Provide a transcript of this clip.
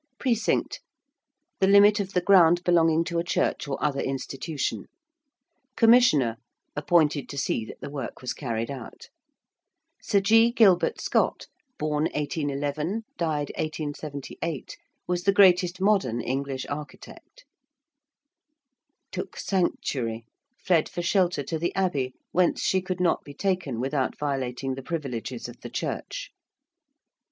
~precinct~: the limit of the ground belonging to a church or other institution. ~commissioner~: appointed to see that the work was carried out. ~Sir G. Gilbert Scott~, born 1811, died 1878, was the greatest modern English architect. ~took sanctuary~: fled for shelter to the abbey, whence she could not be taken without violating the privileges of the Church.